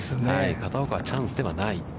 片岡はチャンスではない。